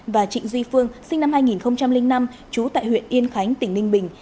và trịnh duy phương sinh năm hai nghìn năm trú tại huyện yên khánh tỉnh ninh bình